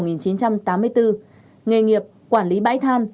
nghề nghiệp quản lý bãi than